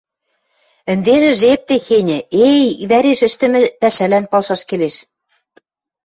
— Ӹнде жеп техеньӹ; э, иквӓреш ӹштӹмӹ пӓшӓлӓн палшаш келеш